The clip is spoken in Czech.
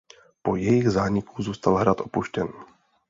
Po jejich zániku zůstal hrad opuštěn.